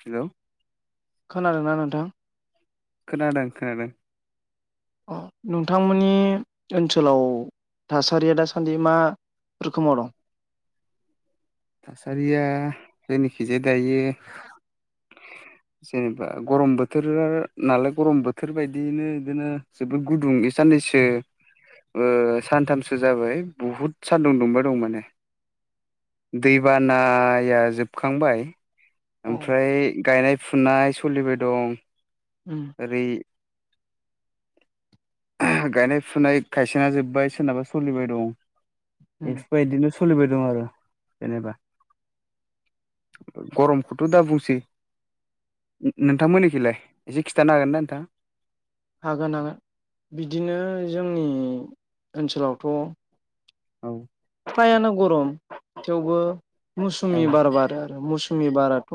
Hello. खोनादों ना नोंथां? खोनादों खोनादों। अ नोंथांमोननि ओनसोलाव थासारिया दासान्दि मा रोखोमाव दं थासारिया जोंनिखिजाय दायो [inaudible] जेनेबा गरम बोथोरा नालाय गरम बोथोर बायदियैनो बिदिनो जोबोद गुदुं इ साननै सो ओ सानथामसो जाबाय बुहुद सानदुं दुंबाय दं माने। दैबानाया जोबखांबाय। अ ओमफ्राय गायनाय फुनाय सलिबाय दं उम ओरै [unintelligible] गायनाय फुनाय खायसे ना जोबबाय सोरनाबा सलिबाय दं उम इफोर बायदिनो सलिबाय दं आरो जेनेबा। गरम खौथ' दा बुंसै। नोंथांमोननिखिलाय एसे खिथानो हागोन ना नोंथां हागोन हागोन। बिदिनो जोंनि ओनसोलावथ' औ। फ्रायानो गरम थेवबो मौसुमि औ बार बारो आरो मौसु मि बाराथ'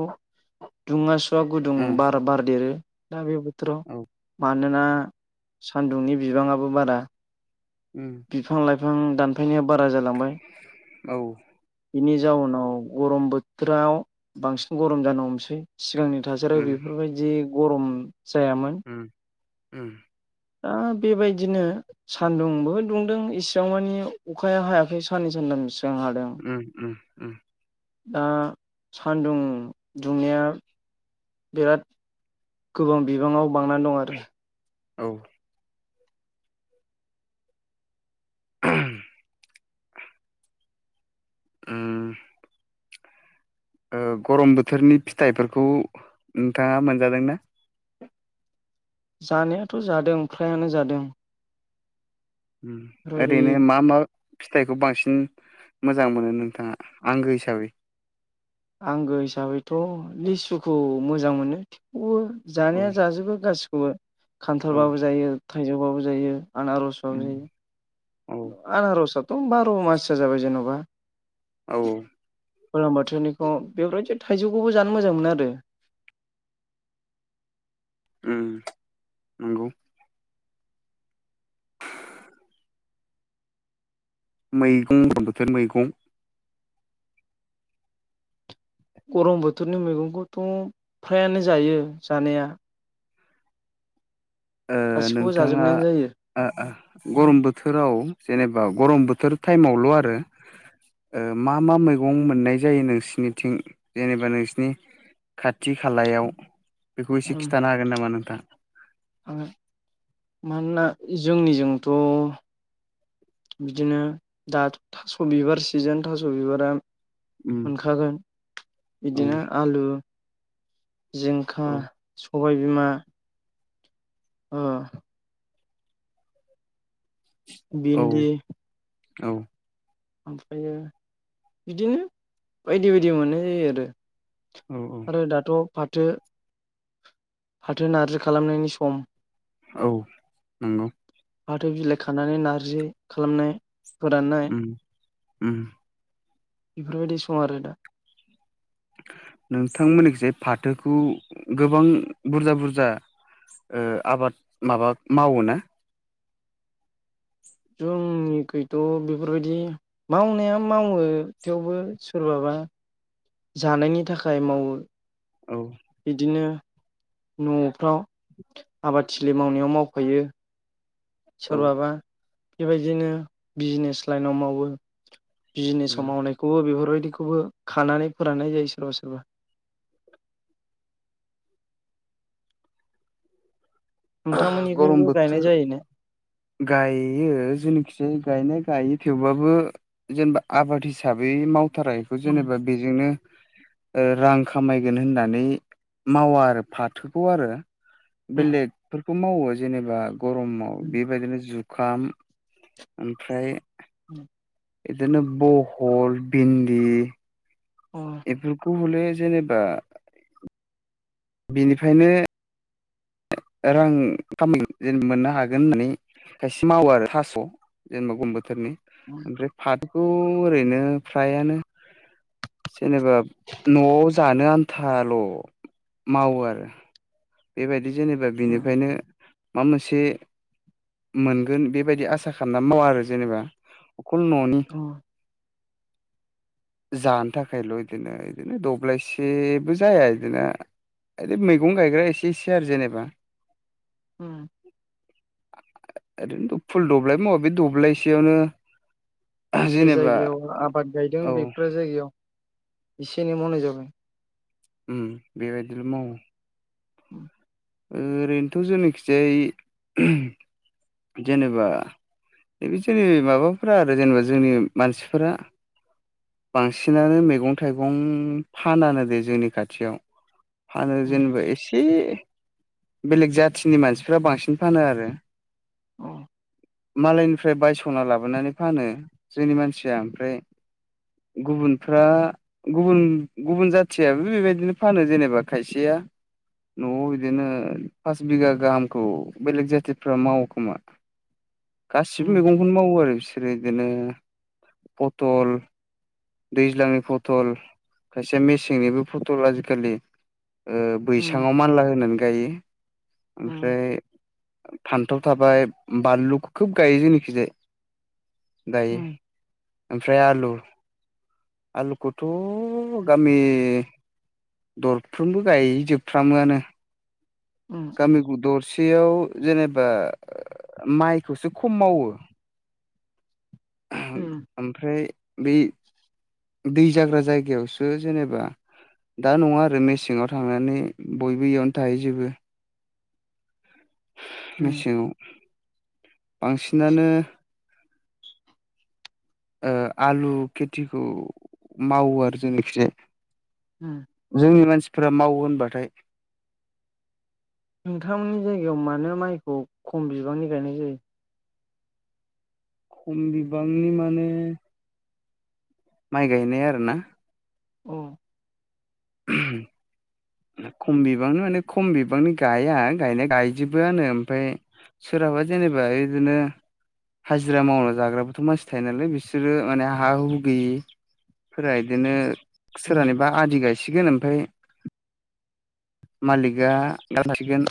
दुङा सुवा गुदुं ओम बार बारदेरो। दा बेबा थोराव औ मानोना सान्दुंनि बिबाङाबो बारा। उम बिफां लाइफां दानफायनाया बारा जालांबाय। औ। बेनि जाउनाव गरम बोथोराव बांसिन गरम जानो हमसै सिगांनि थासारियाव उम बेफोरबायदि गरम जायामोन। उम उम। दा बेबायदिनो सान्दुंबो दुंदों इसिबां मानि अखाया हायाखै साननै सानथामसो उम उम उम। दा सानदुं दुंनाया बिराद गोबां बिबाङाव बांनानै दं आरो। औ। [unintelligible] उम। ओ गरम बोथोरनि फिथाइफोरखौ नोंथाङा मोनजादोंना? जानायाथ' जादों फ्रायानो जादों। उम बेफोरबायदि ओरैनो मा मा फिथाइखौ बांसिन मोजां मोनो नोंथाङा आंगो हिसाबै? आंगो हिसाबैथ' लिसुखौ मोजां मोनो थेवबो औ जानाया जाजोबो गासिखौबो औ खान्थालबाबो जायो थाइजौबाबो जायो आनारस बाबो उम औ जायो। आनारसआथ' बार' माससो जाबाय जेन'बा। औ औ। गोलोम बोथोरनिखौ बेफोरबायदि थाइजौखौबो जानो मोजां मोनो आरो। [inaudible] ओम नंगौ। मैगं [unintelligible] बोथोर मैगं गरम बोथोरनि मैगंखौथ' फ्रायानो जायो जानाया। ओ गासिखौबो नोंथाङा जाजोबनायानो जायो आ आ गरम बोथोराव जेनेबा गरम बोथोर टाइमावल' आरो ओ मा मा मैगं मोननाय जायो नोंसिनिथिं जेनेबा नोंसिनि खाथि खालायाव बेखौ एसे खिन्थानो हागोन नामा नोंथां? [unintelligible] मानोना जोंनिजोंथ' बिदिनो दाथ' थास' बिबार सिजोन थास' बिबारा उम मोनखागोन। औ बिदिनो आलु जिंखा, औ सबाय बिमा अ। औ भिन्दि औ। ओमफ्रायो बिदिनो बायदि बायदि मोननाय जायो आरो। औ औ आरो दाथ' फाथो फाथो नारजि खालामनायनि सम। औ नंगौ। फाथो बिलाइ खानानै नारजि खालामनाय फोराननाय उम उम। बेफोरबायदि सम आरो दा‌। नोंथांमोननिखैजाय फाथोखौ गोबां बुरजा बुरजा ओ आबाद माबा मावो ना? जोंनिखैथ' बेफोरबायदि मावनाया मावो थेवबो सोरबाबा जानायनि थाखाय मावो। औ बिदिनो न'फ्राव आबादथिलि मावनायाव मावफायो औ सोरबाबा बेबायदिनो बिजनेस लाइनाव मावो बिजिनेसाव मावनायखौबो बेफोरबायदि खौबो खानानै फोराननाय जायो सोरबा सोरबा गरम नोंथांमोननिखैबो गायनाय बोथोर जायो ने? गायो जेनिखि जाय गायनाय गाय थेवब्लााबो जेनेबा आबाद हिसाबै मावथारा बेखौ उम जेनेबा बेजोंनो ओ रां खामायगोन होननानै मावा आरो फाथोखौ आरो उम बेलेगफोरखौ मावो जेनेबा गरमाव उम बेबायदिनो जुखाम ओमफ्राय उम बिदिनो बहल भिन्दि अ एफोरखौ हले जेनेबा बिनिफ्रायनो रां खामाय जेन मोननो हागोन होननानै खायसे मावो आरो थास' जेनेबा गम बोथोरनि उम ओमफ्राय फाथ थोखौ ओरैनो फ्रायानो जेनेबा न'आव जानो आन्थाल' मावो आरो बेबायदि जेनेबा उम बिनिफ्रायनो मा मोनसे मोनगोन बेबायदि आसा खालामना मावा आरो जेनेबा अखल न'नि अ [inaudible] जानो थाखायल' बिदिनो बिदिनो दब्लायसेबो जाया बिदिनो मैगं गायग्रा एसे इसो आरो जेनेबा उम ओरैनोथ' फुल दब्लाय मावा बे दब्लायसेयावनो जि जेनेबा जायगायाव आबाद गायदों औ बेफोरो जायगायाव इसे एनै मावनाय जाबाय उम बेबायदिल मावो [inaudible] ओरैनोथ' जोंनाखिजाय जेनेबा बिदिनो माबाफोरा आरो जेनेबा जोंनि मानसिफोरा बांसिनानो मैगं थाइगं फानानो दे जोंनि खाथियाव फानो उम जेनेबा एसे बेलेग जाथिनि मानसिफ्रा बांसिन फानो आरो औ मालायनिफ्राय बायस'ना लाबोनानै फानो जोंनि मानसिया ओमफ्राय गुबुनफ्रा गुबुन गुबुन जाथियाबो बेबायदिनो फानो जेनेबा खायसेया न'आव बिदिनो फास बिघा गाहामखौ बेलेक जाति फोरा मावो खोमा गासिबो मैगंखौनो मावो आरो बिसोरो बिदिनो पथल दैज्लांनि फटल खायसे मेसेंनिबो फटल आजिखालि ओ उम बैसाङाव मानला होनानै गायो उम ओमफ्राय फान्थाव थाबाय बानलु खोब गायो जेनोखिजाय दायो उम ओमफ्राय आलु आलुखौथ' गामि दरफ्रोमबो गायजोबफ्रामोआनो उम उम गामि दरसेयाव जेनेबा माइखौसो खम मावो उम ओमफ्राय बै दै जाग्रा जायगायावसो जेनेबा दा नङा आरो मेसें आव थांनानै बयबो इयावनो थाहैजोेबो उम मेसेङाव बांसिनानो आलु खेथिखौ मावो आरो जोंनिखिजाय उम जोंनि मानसिफोरा मावो होनबाथाय नोंथांमोननि जायगायाव मानो माइखौ खम बिबांनि गायनाय जायो खम बिबांनि माने माइ गायनाय आरो ना अ [inaudible] खम बिबांनि माने खम बिबांनि गाया गनाय गायजोबो आनो ओमफ्राय सोर हाबा जेनेबा बिदिनो हाजिरा मावना जाग्राबोथ' मानसि थायो नालाय बिसोरो माने हा हुु गैयि फोर बिदिनो उम सोरहानिबा आदि गायसिगोन ओमफ्राय मालिगा [unintelligible] गोन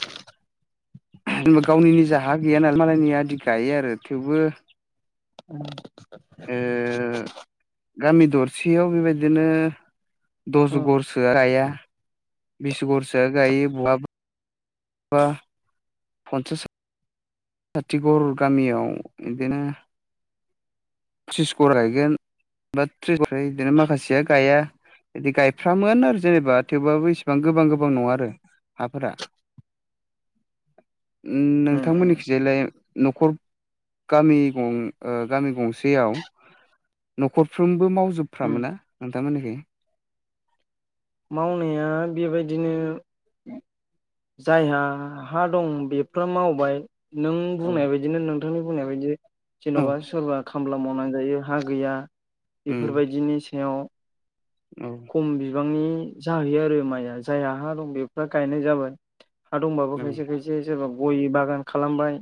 बा गावनिनिज हा गैया नालाय मालायनि आदि गायो आरो थेवबो ओ [unintelligible] गामि दरसेयाव बेबायदिनो अ दस गघरसोआ गाया बिसगरसो गायो बहाब बां पन्सास साथिगर गामियाव बिदिनो त्रिस गघर गायगोन बा त्रिस घर बिदिनो माखासेया गाया बिदि गायफ्रामोन आरो जेनेबा थेवबाबो इसेबां गोबां गोबां नङा आरो हाफोरा [inaudible] उम नोंथांमोननि उम न'खर गामि ग गामि गंसेयाव न'खरफ्रोमबो उम मावजोबफ्रामोना नोंथांमोननिखै मावनाया बेबायदिनो जायहा हा दं बेफ मावबाय नों औ बुंनाय बायदिनो नों थांनि बुंनाय बायदि औ जेन'बा सोरबा खामला मावनानै जायो हा गैया उम बेफोरबायदिनि सायाव औ खम बिबांनि जाहैयो आरो माइआ जायहा हा दं बेफ्रा गायनाय जाबाय हा दंबाबो औ खायसे खायसे सोरबा गय बागान खालामबाय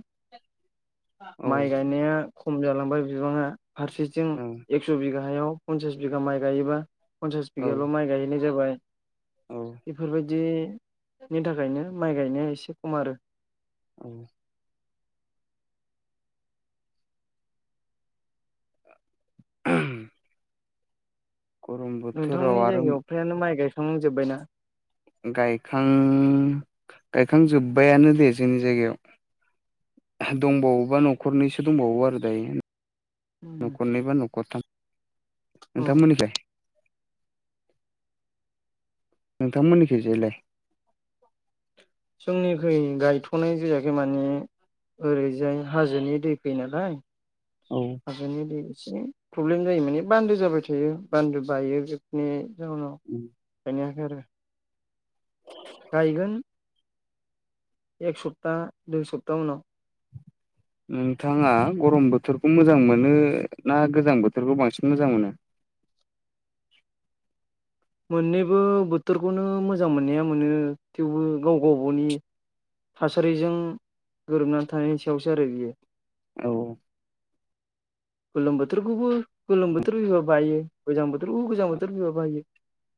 औ माइ गायनाया खम जालांबाय बिबाङा फारसेथिं औ एक्स' बिगायाव फनसास बिगा माइ गायोबा पन्सास बिगाल' औ माइ गायहैनाय जाबाय औ बेफोरबायदि दिनि थाखायनो माइ गायनाया एसे खम आरो औ [inaudible] गरम बोथोराव नोंथांमोननि आरो जायगायाव फ्रायानो माइ गायखांनांजोबबायना गायखां गायखांजोब्बायानो दे जोंनि जायगायाव दंबावोबा न'खरनैसो दंबावो आरो दायो न'खरनैबा न'खर थाम अ नोंथांमोननि खैलाय नोंथांमोननिखैजायलाय जोंनिख्रुइ गायथ'नाय जायाखै माने ओरैजाय हाजोनि दै फैयो नालाय औ हाजोनि दै एसे प्रब्लेम जायो माने बान्दो जाबाय थायो बान्दो बायो बेफोरनि जाउनाव उम ओंखायनो आरो गायगोन एक सुबप्ता दुइ सुबपत उनाव नोंथाङा गरम बोथोरखौ मोजां मोनो ना गोजां बोथोरखौ बांसिन मोजां मोनो [inaudible] मोननैबो बोथोरखौनो मोजां मोननाया मोनो थेवबो गाव गावनि थासारिजों गोरोबनानै थानायनि सायावसो आरो बियो। [inaudible] [inaudible] गोलोम बोथोरखौबो गोलोम बोथोर फैबा बायो गोजां बोथोरखौबो गोजां बोथोर फैबा बायो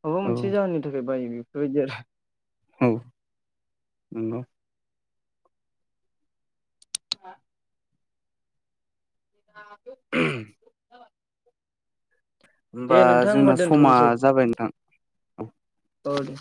माबा औ मोनसे जाहोननि थाखाय बायो बेफोरबायदि आरो औ नंगौ हा [inaudible] दे होमबा नोंथां होमबा जोंना समा दोनथ'नोसै जाबाय नोंथां औ औ दे